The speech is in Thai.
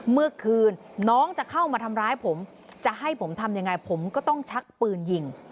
เมื่อคืนน้องจะเข้ามาทำร้ายผมจะให้ผมทำยังไงผมก็ต้องชักปืนยิง